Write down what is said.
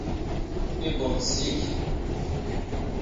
Yewweḍ-d zik.